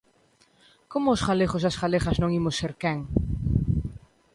Como os galegos e as galegas non imos ser quen?